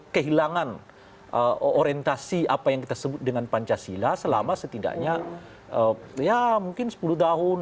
kehilangan orientasi apa yang kita sebut dengan pancasila selama setidaknya ya mungkin sepuluh tahun